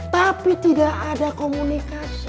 tapi tidak ada komunikasi